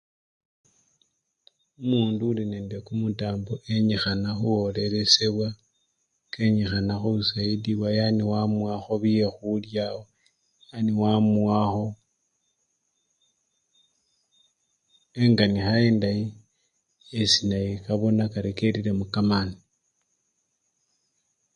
Omundu uli nekumutambo enyikhana khuwolelesyebwa, kenyikhana khusayidibwa yani wamuwakho byekhulya, yani wamuwakho enganikha endayi esi naye kabona kari elilemo kamani.